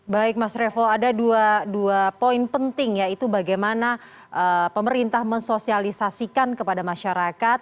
baik mas revo ada dua poin penting yaitu bagaimana pemerintah mensosialisasikan kepada masyarakat